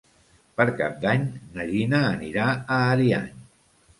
Per Cap d'Any na Gina anirà a Ariany.